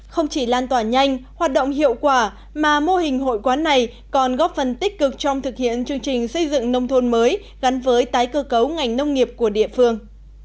không chỉ lan tỏa nhanh hoạt động hiệu quả mà mô hình hội quán này còn góp phần tích cực trong thực hiện chương trình xây dựng nông thôn mới gắn với tái cơ cấu ngành nông nghiệp của địa phương